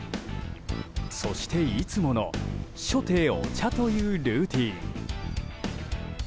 そして、いつもの初手・お茶というルーチン。